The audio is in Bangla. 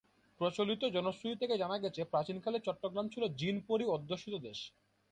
প্রচলিত জনশ্রুতি থেকে জানা গেছে, প্রাচীনকালে চট্টগ্রাম ছিল জিন-পরি-অধ্যুষিত দেশ।